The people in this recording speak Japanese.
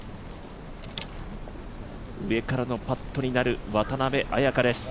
上からのパットになる渡邉彩香です。